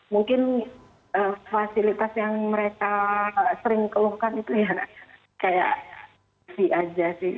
mungkin fasilitas yang mereka sering keluhkan itu ya kayak fee aja sih